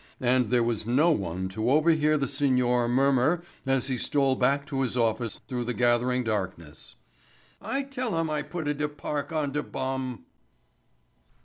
And there was no one to overhear the signor murmur as he stole back to his office through the gathering darkness. "I tella dem I putta de park on de bum."